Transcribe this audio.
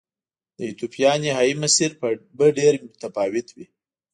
د ایتوپیا نهايي مسیر به ډېر متفاوت و.